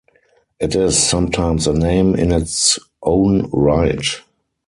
It is sometimes a name in its own right.